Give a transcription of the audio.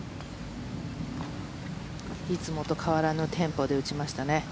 いつもと変わらぬテンポで打ちましたね。